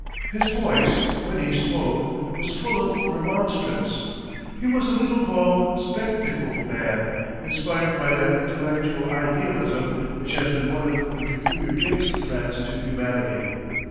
His voice, when he spoke, was 'full of remonstrance.' He was a little bald, spectacled man, inspired by that intellectual idealism which has been one of the peculiar gifts of France to humanity.